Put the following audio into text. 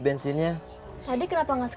bukan kugaya rasanya di requirements review